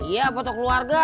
iya foto keluarga